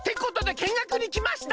けんがくにきました！